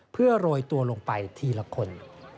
เพื่อโรยตัวลงไปทีละคน